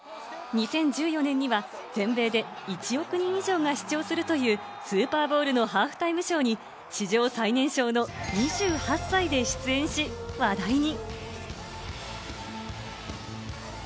２０１４年には全米で１億人以上が視聴するというスーパーボウルのハーフタイムショーに史上最年少の２８歳で出演し、話題に。